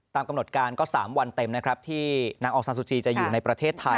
กำหนดการก็๓วันเต็มนะครับที่นางองซานซูจีจะอยู่ในประเทศไทย